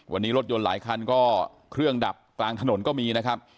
วันนี้รถยนต์หลายคันก็เครื่องดับกลางถนนก็มีนะครับ